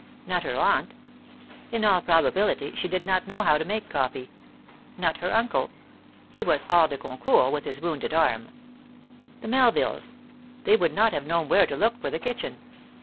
Not her aunt. In all probability, she did not know how to make coffee. Not her uncle. He was hors de concours with his wounded arm. The Melvilles! They would not have known where to look for the kitchen.